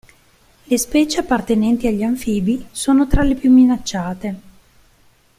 Le specie appartenenti agli anfibi sono tra le più minacciate.